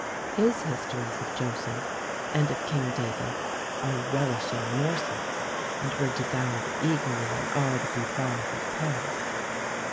His histories of Joseph, and of King David, are relishing morsels, and were devoured eagerly in all the boudoirs of Paris.